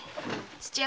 「土屋」？